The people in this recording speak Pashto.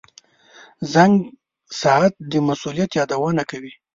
• زنګ ساعت د مسؤلیت یادونه کوي.